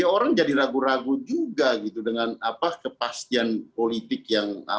orang jadi ragu ragu juga gitu dengan kepastian politik yang